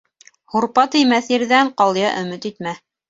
Һурпа теймәҫ ерҙән ҡалъя өмөт итмә.